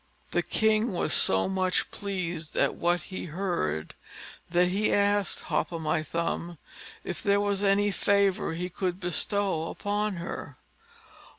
The king was so much pleased at what he heard, that he asked Hop o' my thumb if there was any favour he could bestow upon her?